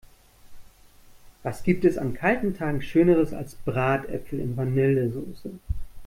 Was gibt es an kalten Tagen schöneres als Bratäpfel in Vanillesoße!